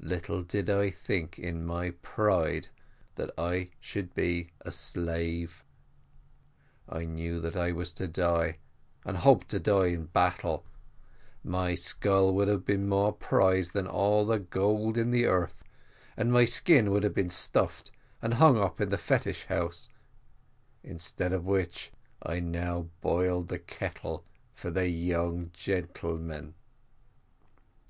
Little did I think, in my pride, that I should be a slave. I knew that I was to die, and hoped to die in battle: my skull would have been more prized than all the gold in the earth, and my skin would have been stuffed and hung up in a fetish house instead of which, I now boil the kettle for the young gentlemen."